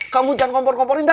kamu jangan kompor komporin da